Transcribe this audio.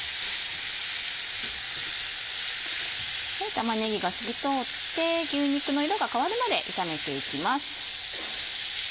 玉ねぎが透き通って牛肉の色が変わるまで炒めていきます。